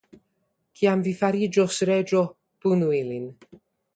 Kiam vi fariĝos reĝo, punu ilin.